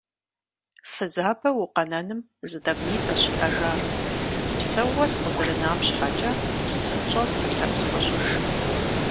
Фызабэу укъэнэным зы тӀэкӀунитӀэщ иӀэжар, псэууэ сыкъызэрынам щхьэкӀэ псынщӀэу тхьэлъэӀу схуэщӀыж.